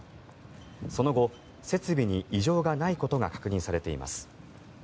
その後、設備に異常がないことが確認されています。